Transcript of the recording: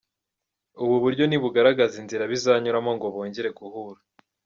Ubu buryo ntibugaragaza inzira bizanyuramo ngo bongere guhura.